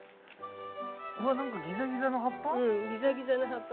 うわ何かギザギザの葉っぱ？